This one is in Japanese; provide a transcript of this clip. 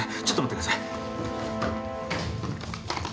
ちょっと待って下さい。